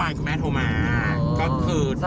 ก็คือเมื่อวานคุณแม่โทรมา